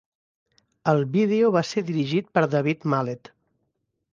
El vídeo va ser dirigit per David Mallett.